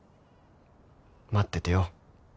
待っててよ。